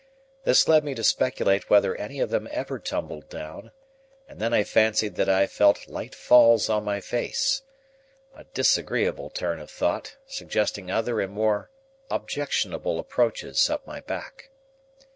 This led me to speculate whether any of them ever tumbled down, and then I fancied that I felt light falls on my face,—a disagreeable turn of thought, suggesting other and more objectionable approaches up my back.